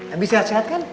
abi sehat sehat kan